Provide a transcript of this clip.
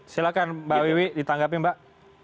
silahkan mbak wiwi ditanggapi mbak